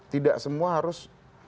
tidak semua harus